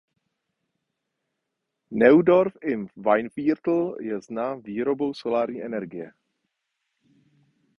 Neudorf im Weinviertel je znám výrobou solární energie.